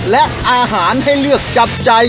และอาหารให้เลือกจับใจ